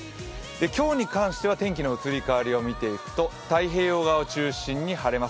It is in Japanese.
今日に関しては天気の移り変わりを見ていくと太平洋側を中心に晴れます。